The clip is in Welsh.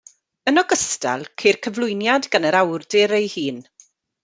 Yn ogystal, ceir cyflwyniad gan yr awdur ei hun.